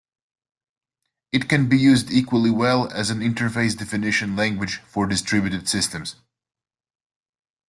It can be used equally well as an interface definition language for distributed systems.